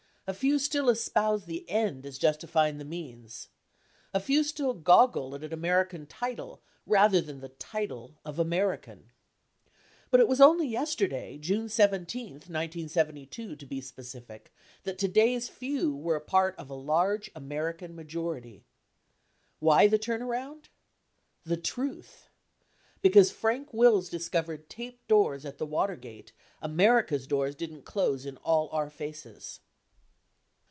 A few still espouse the end as j ustif y ing the means. A few still goggle at an American title rather than the title of American. . But it was only yesterday, June 17, 1972 to be specific, that today's few were part of a large American majority. Why the turnaround ? The truth ! Because Frank WTlls discovered taped doors at the Watergate, America's doors didn't close in all our faces.